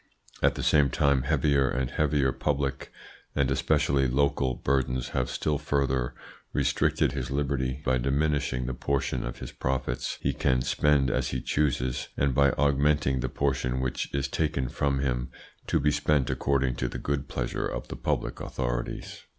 At the same time heavier and heavier public, and especially local, burdens have still further restricted his liberty by diminishing the portion of his profits he can spend as he chooses, and by augmenting the portion which is taken from him to be spent according to the good pleasure of the public authorities."